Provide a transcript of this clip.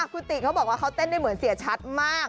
คุณติเขาบอกว่าเขาเต้นได้เหมือนเสียชัดมาก